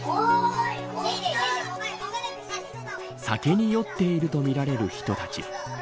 酒に酔っているとみられる人たち。